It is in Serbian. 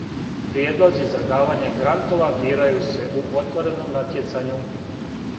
Приједлози за давање грантова бирају се у отвореном натјецању.